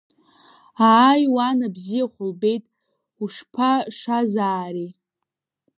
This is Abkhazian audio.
Ааи, уан абзиахә лбеит, ушԥашазаари!